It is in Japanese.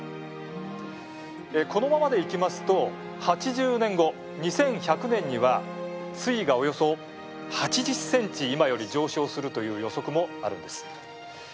このままでいきますと８０年後２１００年には水位が、およそ８０ｃｍ今より上昇するという予測もあるんです。